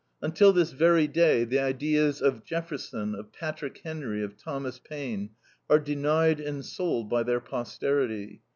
Until this very day the ideas of Jefferson, of Patrick Henry, of Thomas Paine, are denied and sold by their posterity.